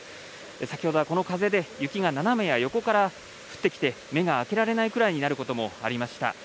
先ほどはこの風で雪が斜めや横から降ってきて目が開けられないくらいになることもありました。